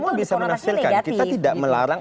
semua bisa menafsirkan kita tidak melarang